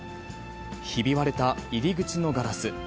ひび割れた入り口のガラス。